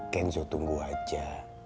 kenzo tunggu aja